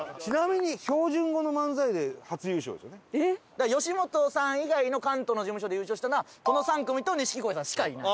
だから吉本さん以外の関東の事務所で優勝したのはこの３組と錦鯉さんしかいない。